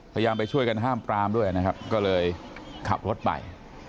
พยายามช่วยกันห้ามปลามด้วยก็เลยขับรถไป